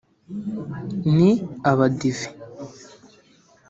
ni Abadive